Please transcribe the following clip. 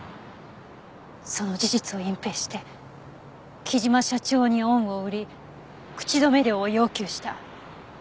その事実を隠蔽して貴島社長に恩を売り口止め料を要求した。